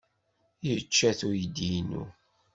Yečča-tt uydi-inu.